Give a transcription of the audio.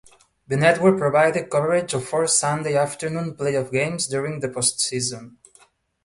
The network provided coverage of four Sunday afternoon playoff games during the postseason.